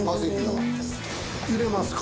入れますか。